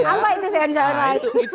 apa itu syaiun syaiun lain